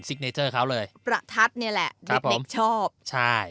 ซิกเนตเตอร์เขาเลยประทัดเนี่ยแหละครับผมเด็กชอบใช่